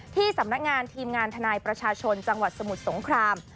ที่สำนักงานทีมงานทนายประชาชนจังหวัดสมุทรสงคราม